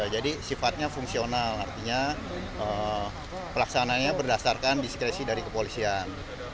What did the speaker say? jadi sifatnya fungsional artinya pelaksananya berdasarkan diskresi dari kepolisian